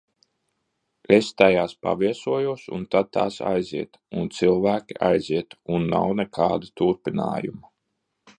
Es tajās paviesojos, un tad tās aiziet. Un cilvēki aiziet. Un nav nekāda turpinājuma.